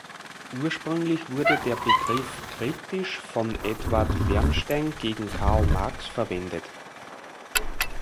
Ursprünglich wurde der Begriff kritisch von Eduard Bernstein gegen Karl Marx verwendet.